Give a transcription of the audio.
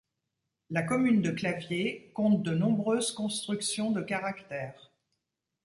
La commune de Clavier compte de nombreuses constructions de caractère.